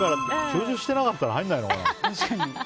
仕事してなかったら入らないのかな。